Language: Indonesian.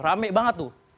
rame banget tuh